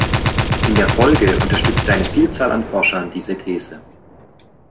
In der Folge unterstützte eine Vielzahl an Forschern diese These.